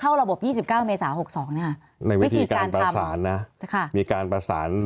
เข้าระบบ๒๙เมษา๖๒